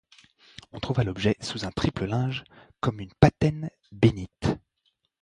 On trouva l'objet sous un triple linge comme une patène bénite.